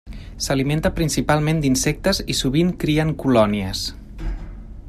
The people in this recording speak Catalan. S'alimenta principalment d'insectes i sovint cria en colònies.